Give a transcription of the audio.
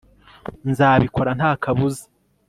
nzabikora nta kabuza